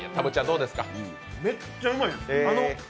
めっちゃうまいです。